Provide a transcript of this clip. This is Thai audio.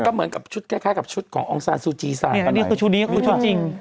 ก็เหมือนกับชุดแค่ขององค์ซานซูจีสานี่คือชุดนี้คือชุดจริง